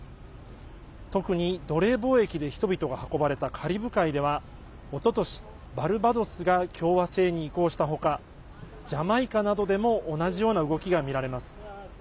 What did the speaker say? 特に、奴隷貿易で人々が運ばれたカリブ海では、おととしバルバドスが共和制に移行した他ジャマイカなどでも同じような動きがみられます。